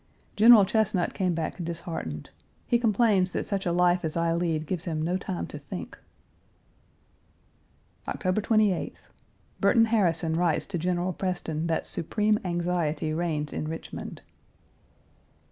General Chesnut came back disheartened. He complains that such a life as I lead gives him no time to think. October 28th. Burton Harrison writes to General Preston that supreme anxiety reigns in Richmond.